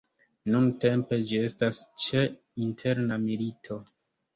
Nuntempe, ĝi estas ĉe interna milito.